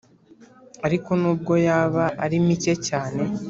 ariko n’ubwo yaba ari mike cyane.